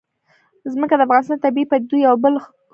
ځمکه د افغانستان د طبیعي پدیدو یو بل ښکلی رنګ دی.